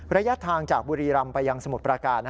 ระยะทางจากบุรีรำไปยังสมุทรประการ